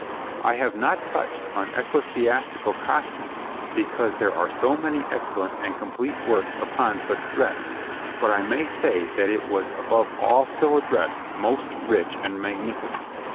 I have not touched on ecclesiastical costume because there are so many excellent and complete works upon such dress, but I may say that it was above all civil dress most rich and magnificent.